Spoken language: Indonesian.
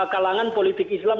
kalangan politik islam